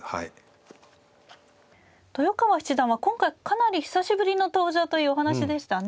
豊川七段は今回かなり久しぶりの登場というお話でしたね。